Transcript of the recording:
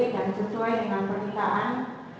dan sesuai dengan perperiksaan